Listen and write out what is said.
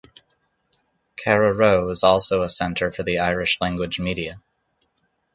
Carraroe is also a centre for the Irish-language media.